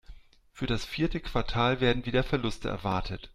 Für das vierte Quartal werden wieder Verluste erwartet.